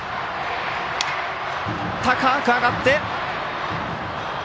高く上がって。